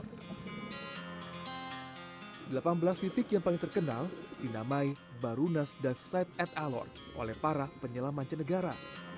delapan belas titik yang paling terkenal dinamai barunas dive site at alor oleh para penyelam mancanegara